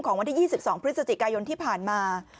วันที่๒๒พฤศจิกายนที่ผ่านมา